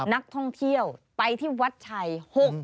นักท่องเที่ยวไปที่วัดชัย